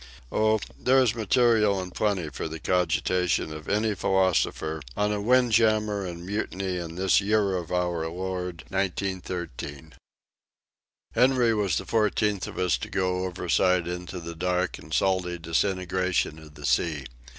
Oh, there is material in plenty for the cogitation of any philosopher on a windjammer in mutiny in this Year of our Lord 1913. Henry was the fourteenth of us to go overside into the dark and salty disintegration of the sea.